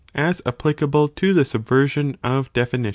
as applicable to the Subversion of Definition.